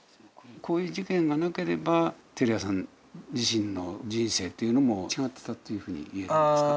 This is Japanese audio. こういう事件がなければ照屋さん自身の人生というのも違ってたというふうにいえるんですか？